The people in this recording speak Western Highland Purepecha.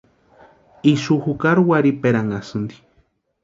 Ixu jukari warhiperanhasïnti.